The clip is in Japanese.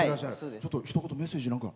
ちょっとひと言、メッセージをなんか。